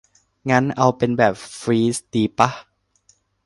งั้น เอาเป็นแบบฟรีซดีป่ะ